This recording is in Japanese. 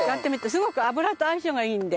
すごく油と相性がいいので。